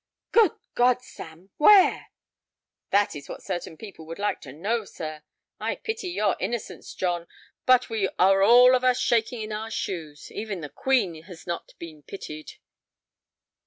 "Good God, Sam! Where?" "That is what certain people would like to know, sir. I pity your innocence, John, but we are all of us shaking in our shoes. Even the Queen has not been pitied."